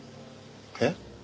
えっ？